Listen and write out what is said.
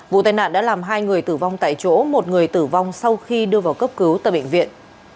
vụ tai nạn đã làm hai người tử vong tại chỗ một người tử vong sau khi đưa vào cấp cứu tại bệnh viện